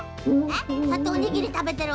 そうやっておにぎりたべてるの？